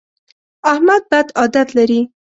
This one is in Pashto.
احمد بد عادت لري.